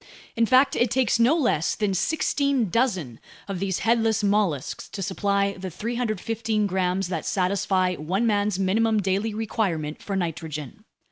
In fact, it takes no less than sixteen dozen of these headless mollusks to supply the 315 grams that satisfy one man's minimum daily requirement for nitrogen.